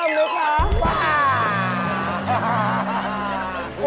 ตีไลน์พาอีกแล้ว